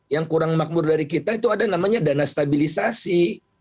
yang kurang makmur dari kita itu ada namanya dana stabilisasi